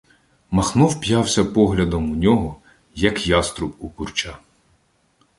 Махно вп'явся поглядом у нього, як яструб у курча.